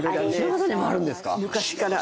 昔から。